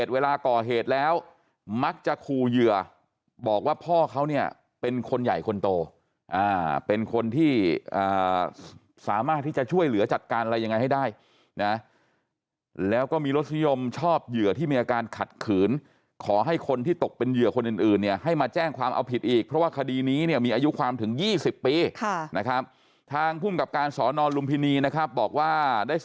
เวลาก่อเหตุแล้วมักจะคูเหยื่อบอกว่าพ่อเขาเนี่ยเป็นคนใหญ่คนโตเป็นคนที่สามารถที่จะช่วยเหลือจัดการอะไรยังไงให้ได้นะแล้วก็มีรสนิยมชอบเหยื่อที่มีอาการขัดขืนขอให้คนที่ตกเป็นเหยื่อคนอื่นเนี่ยให้มาแจ้งความเอาผิดอีกเพราะว่าคดีนี้เนี่ยมีอายุความถึง๒๐ปีนะครับทางภูมิกับการสอนอนลุมพินีนะครับบอกว่าได้